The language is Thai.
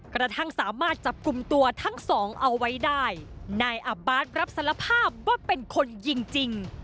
กระทั่งสามารถจับกลุ่มตัวทั้งสองเอาไว้ได้นายอับบาร์ดรับสารภาพว่าเป็นคนยิงจริง